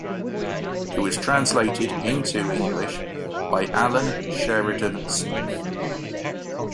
It was translated into English by Alan Sheridan-Smith.